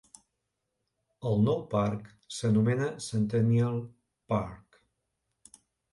El nou parc s'anomena Centennial Park.